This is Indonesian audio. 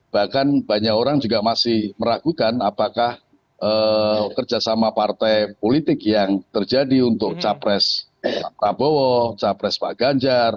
bahkan banyak orang juga masih meragukan apakah kerjasama partai politik yang terjadi untuk capres pak prabowo capres pak ganjar